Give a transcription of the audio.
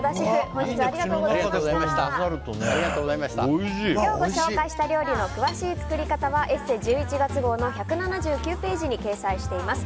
今日ご紹介した料理の詳しい作り方は「ＥＳＳＥ」１１月号の１７９ページに掲載しています。